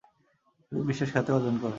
তিনি বিশেষ খ্যাতি অর্জন করে।